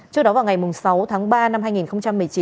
trước đó vào ngày sáu tháng ba năm hai nghìn một mươi chín